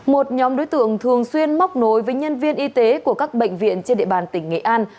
một nhóm đối tượng thường xuyên móc nối với nhân viên y tế của các bệnh viện trên địa bàn tỉnh nghệ an